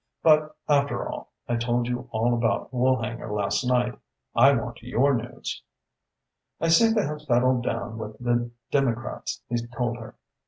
But after all, I told you all about Woolhanger last night. I want your news." "I seem to have settled down with the Democrats," he told her.